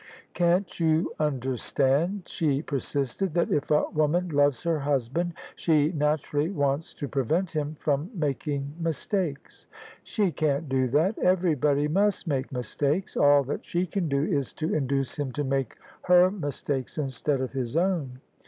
" Can't you understand," she persisted, " that if a woman loves her husband, she naturally wants to prevent him from making mistakes?" " She can't do that : everybody must make mistakes. All that she can do is to induce him to make her mistakes instead of his own.